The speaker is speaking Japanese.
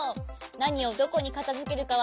なにをどこにかたづけるかはじゆうだよ。